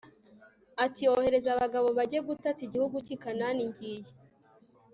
ati ohereza abagabo bajye gutata igihugu cy i Kanani ngiye